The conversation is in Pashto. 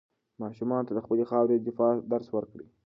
ماشومانو ته د خپلې خاورې د دفاع درس ورکړئ.